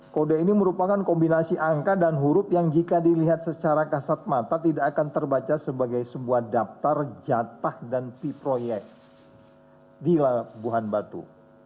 kode ini merupakan kombinasi angka dan huruf yang jika dilihat secara kasat mata tidak akan terbaca sebagai sebuah daftar jatah dan pi proyek di labuhan batu